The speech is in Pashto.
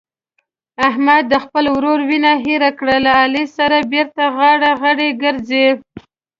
احمد د خپل ورور وینه هېره کړه له علي سره بېرته غاړه غړۍ ګرځي.